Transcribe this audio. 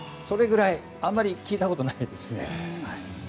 それぐらい聞いたことないですね。